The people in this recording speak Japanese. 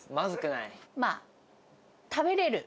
まあ、食べれる。